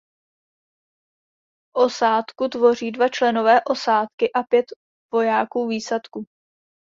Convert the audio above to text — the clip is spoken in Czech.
Osádku tvoří dva členové osádky a pět vojáků výsadku.